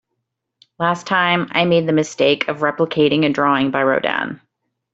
Last time, I made the mistake of replicating a drawing by Rodin.